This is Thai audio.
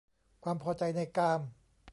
ความพอใจในกาม